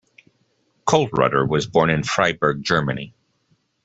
Koellreutter was born in Freiburg, Germany.